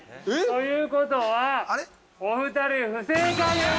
◆ということはお二人、不正解です。